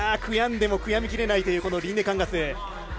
悔やんでも悔やみきれないというリンネカンガス。